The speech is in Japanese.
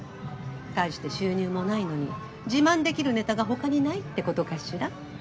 大して収入もないのに自慢できるネタが他にないってことかしら？